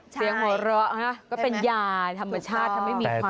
เสียงหัวเราะนะก็เป็นยาธรรมชาติทำให้มีความสุข